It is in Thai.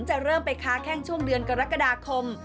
จะเริ่มไปค้าแข้งช่วงเดือนกรกฎาคม